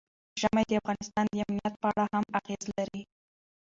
ژمی د افغانستان د امنیت په اړه هم اغېز لري.